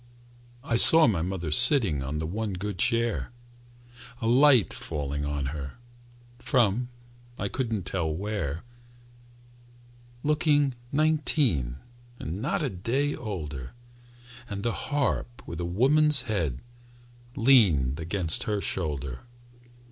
I saw my mother sitting On the one good chair, A light falling on her From I couldn't tell where, Looking nineteen, And not a day older, And the harp with a woman's head Leaned against her shoulder.